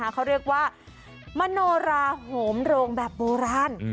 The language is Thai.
เขาเรียกว่ามโนราโหมโรงแบบโบราณ